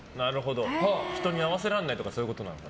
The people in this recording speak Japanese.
人に合わせられないとかそういうことなのか。